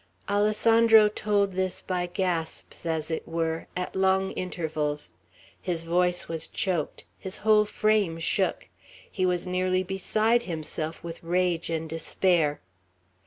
Alessandro told this by gasps, as it were; at long intervals. His voice was choked; his whole frame shook. He was nearly beside himself with rage and despair.